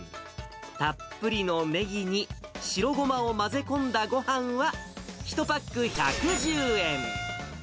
たっぷりのねぎに白ごまを混ぜ込んだごはんは、１パック１１０円。